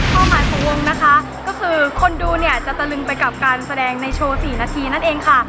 ความหมายของวงนะคะก็คือคนดูเนี่ยจะตะลึงไปกับการแสดงในโชว์๔นาทีนั่นเองค่ะ